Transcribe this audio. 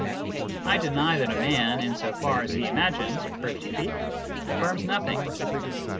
I deny that a man in so far as he imagines \_percipif] affirms nothing.